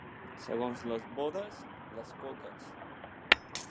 Segons les bodes, les coques.